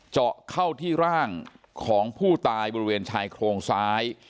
เจาะเข้าที่ร่างของผู้ตายบริเวณชายโครงซ้าย